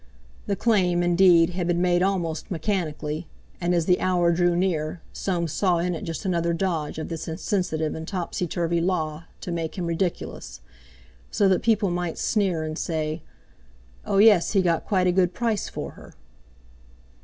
The claim, indeed, had been made almost mechanically; and as the hour drew near Soames saw in it just another dodge of this insensitive and topsy turvy Law to make him ridiculous; so that people might sneer and say: "Oh, yes, he got quite a good price for her!"